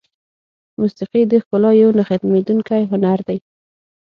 موسیقي د ښکلا یو نه ختمېدونکی هنر دی.